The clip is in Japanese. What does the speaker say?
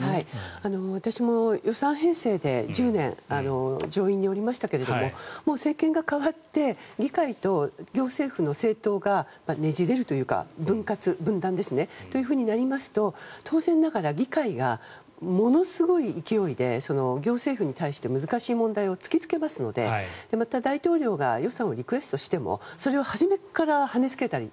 私も予算編成で１０年上院におりましたけれども政権が代わって議会と行政府の政党がねじれるというか分割、分断となりますと当然ながら議会がものすごい勢いで行政府に対して難しい問題を突きつけますのでまた、大統領が予算をリクエストしてもそれを初めからはねつけたり。